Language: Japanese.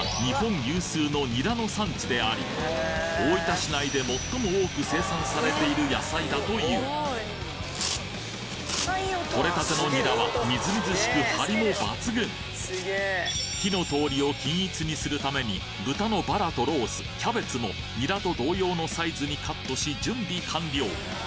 実は大分市内で最も多く生産されている野菜だというとれたてのニラはみずみずしく張りも抜群火の通りを均一にするために豚のバラとロースキャベツもニラと同様のサイズにカットし準備完了！